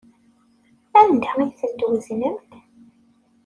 Anda ay ten-tweznemt?